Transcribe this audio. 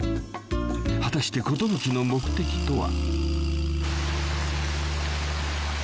［果たして寿の目的とは？］